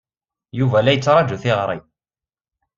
Yuba la yettṛaju tiɣri.